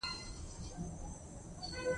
ما ګور په کلک غږ واورېد.